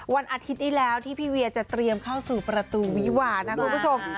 วันอาทิตย์ที่แล้วที่พี่เวียจะเตรียมเข้าสู่ประตูวิวานะคุณผู้ชม